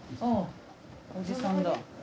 あっおじさんだ。